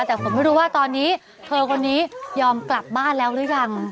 แต่ผมไม่รู้ว่าตอนนี้เธอคนนี้ยอมกลับบ้านแล้วหรือยัง